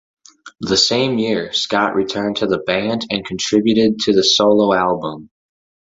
The same year, Scott returned to the band and contributed to the solo album.